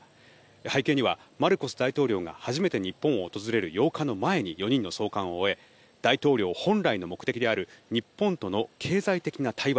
背景にはマルコス大統領が初めて日本を訪れる８日の前に４人の送還を終え大統領本来の目的である日本との経済的な対話